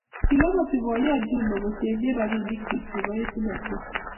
Kiloboti boiyot Juma kochengei robinikchi chebo etunatet